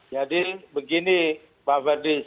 jadi begini pak fadis